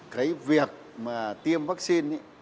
cái việc mà tiêm vaccine ý